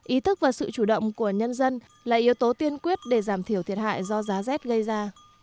ý thức và sự chủ động của nhân dân là yếu tố tiên quyết để giảm thiểu thiệt hại do giá rét gây ra